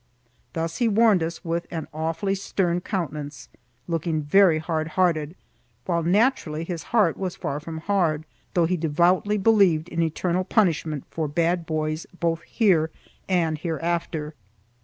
Thus he warned us with an awfully stern countenance, looking very hard hearted, while naturally his heart was far from hard, though he devoutly believed in eternal punishment for bad boys both here and hereafter.